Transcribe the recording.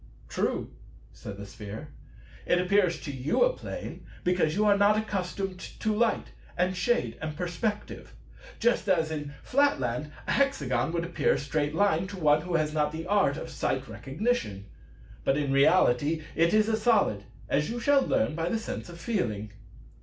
"True," said the Sphere; "it appears to you a Plane, because you are not accustomed to light and shade and perspective; just as in Flatland a Hexagon would appear a Straight Line to one who has not the Art of Sight Recognition. But in reality it is a Solid, as you shall learn by the sense of Feeling."